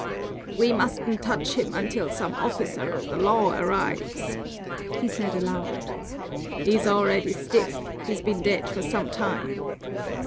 "We mustn't touch him until some officer of the law arrives," he said aloud. "He's already stiff, he's been dead for some time."